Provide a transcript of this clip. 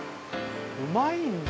うまいんだ。